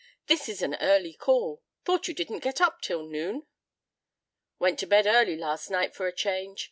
"This is an early call. Thought you didn't get up till noon." "Went to bed early last night for a change.